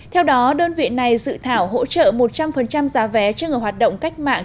theo đó đơn vị này dự thảo hỗ trợ một trăm linh giá vé cho người hoạt động cách mạng